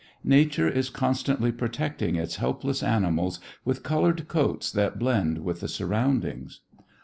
Nature is constantly protecting its helpless animals with colored coats that blend with the surroundings.